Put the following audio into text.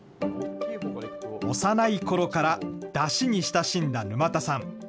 幼いころから、だしに親しんだ沼田さん。